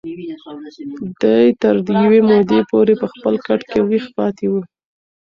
دی تر یوې مودې پورې په خپل کټ کې ویښ پاتې و.